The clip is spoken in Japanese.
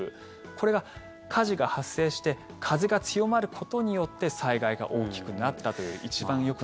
これが火事が発生して風が強まることによって災害が大きくなったという一番よくない。